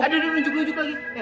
aduh dia nunjuk nunjuk lagi